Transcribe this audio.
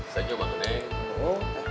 saya juga banget neng